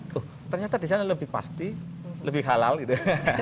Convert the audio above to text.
tuh ternyata di sana lebih pasti lebih halal gitu